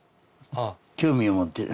興味を持ってる。